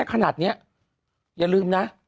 ขนาดนี้อย่าลืมนะ